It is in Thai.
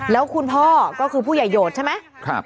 แล้วคุณพ่อก็คือผู้ใหญ่โหดใช่ไหม